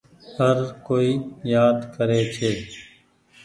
هر ڪوئي يآد ڪري ڇي۔